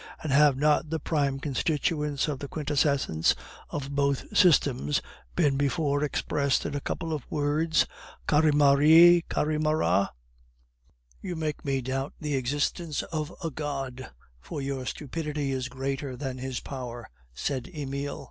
And have not the prime constituents of the quintessence of both systems been before expressed in a couple of words Carymary, Carymara." "You make me doubt the existence of a God, for your stupidity is greater than His power," said Emile.